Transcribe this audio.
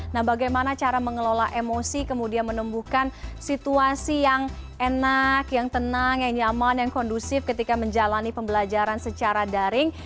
nah bagaimana cara mengelola emosi kemudian menumbuhkan situasi yang enak yang tenang yang nyaman yang kondusif ketika menjalani pembelajaran secara daring